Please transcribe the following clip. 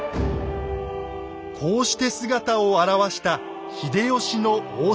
こうして姿を現した秀吉の大坂城。